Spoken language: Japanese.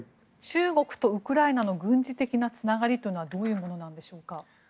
中国とウクライナの軍事的なつながりというのはどういうものなんでしょうか。